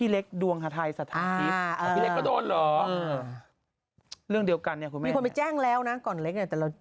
ลักงานแสงอยู่นะครับ